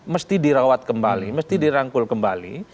mesti dirawat kembali mesti dirangkul kembali